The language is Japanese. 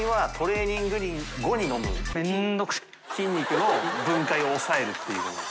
筋肉の分解を抑えるっていうもの。